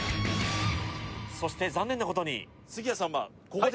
そして残念なことにえっ？